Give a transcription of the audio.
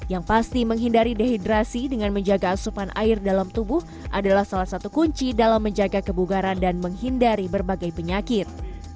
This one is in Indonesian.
yang pasti menghindari dehidrasi dengan menjaga asupan air dalam tubuh adalah salah satu kunci dalam menjaga kebugaran dan menghindari berbagai penyakit